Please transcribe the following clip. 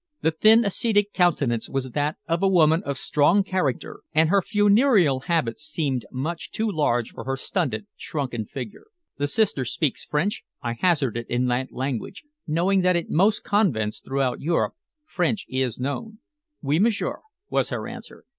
The thin ascetic countenance was that of a woman of strong character, and her funereal habit seemed much too large for her stunted, shrunken figure. "The sister speaks French?" I hazarded in that language, knowing that in most convents throughout Europe French is known. "Oui, m'sieur," was her answer.